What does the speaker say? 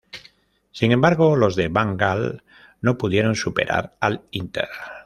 Sin embargo los de Van Gaal no pudieron superar al Inter.